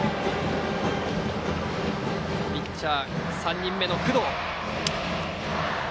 ピッチャーは３人目の工藤。